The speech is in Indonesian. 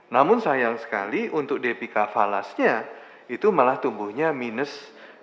namun sayang sekali untuk depika falasnya itu malah tumbuhnya minus dua